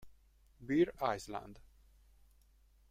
Bear Island